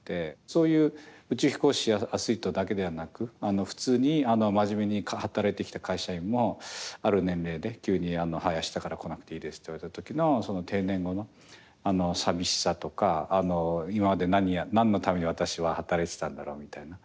そういう宇宙飛行士やアスリートだけではなく普通に真面目に働いてきた会社員もある年齢で急に明日から来なくていいですって言われた時のその定年後の寂しさとか今まで何のために私は働いてたんだろうみたいな。